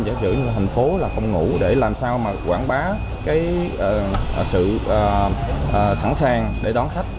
giả sử thành phố là phòng ngủ để làm sao mà quảng bá cái sự sẵn sàng để đón khách